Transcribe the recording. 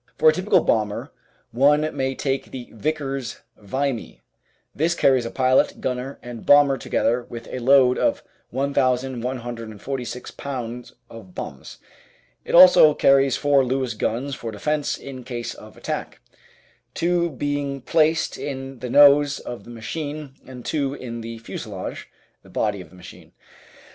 For a typical bomber, one may take the Vickers "Vimy." This carries a pilot, gunner, and bomber together with a load of 1,146 Ib. of bombs. It also carries four Lewis guns for defence in case of attack, two being placed in the nose of the machine and two in the fuselage (the body of the machine).